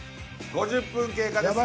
５０分経過です。